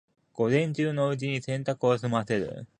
午前中のうちに洗濯を済ませる